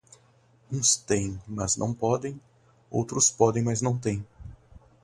Uns têem mas não podem, outros podem mas não têem.